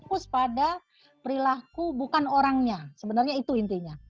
jadi fokus pada perilaku bukan orangnya sebenarnya itu intinya